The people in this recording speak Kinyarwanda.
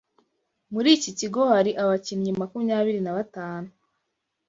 muri iki kigo hari abakinnyi makumyabiri nabatanu